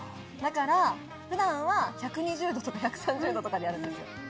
だから普段は１２０℃とか１３０℃とかでやるんですよ。